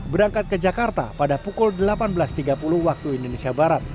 berangkat ke jakarta pada pukul delapan belas tiga puluh waktu indonesia barat